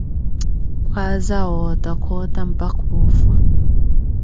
Khwaaza wootta, khoota, mpakha ofha.